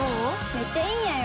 めっちゃいいんやよ。